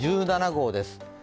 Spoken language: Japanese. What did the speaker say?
１７号です。